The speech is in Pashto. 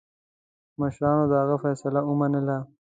مشرانو د هغه فیصله ومنله.